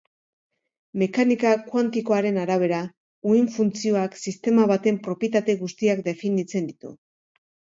Mekanika kuantikoaren arabera, uhin-funtzioak sistema baten propietate guztiak definitzen ditu.